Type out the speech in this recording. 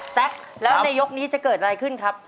แซ็กแล้วในยกนี้จะเกิดอะไรขึ้นครับ